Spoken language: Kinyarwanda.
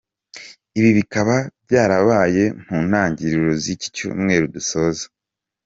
Ibi bikaba byarabaye mu ntangiriro z’iki cyumweru dusoza.